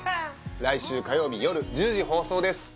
来週火曜日夜１０時放送です